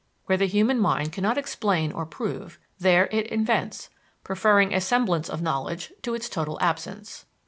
Where the human mind cannot explain or prove, there it invents; preferring a semblance of knowledge to its total absence.